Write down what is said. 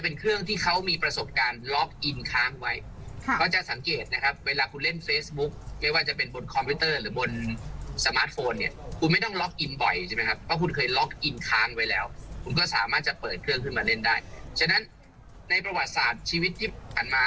ในประวัติศาสตร์ชีวิตที่ผ่านมา